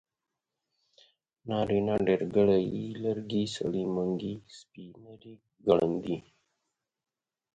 نارينه ډېرګړی ي لرګي سړي منګي سپي نري ګړندي